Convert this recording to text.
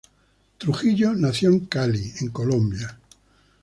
Trujillo nació en Cali en Colombia.